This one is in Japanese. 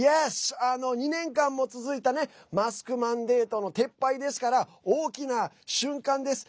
２年間も続いたマスクマンデートの撤廃ですから大きな瞬間です。